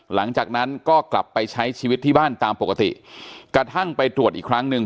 หลังจากนั้นก็กลับไปใช้ชีวิตที่บ้านตามปกติกระทั่งไปตรวจอีกครั้งหนึ่ง